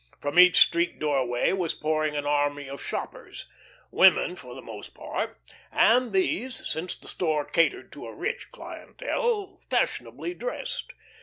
From each street doorway was pouring an army of "shoppers," women for the most part; and these since the store catered to a rich clientele fashionably dressed.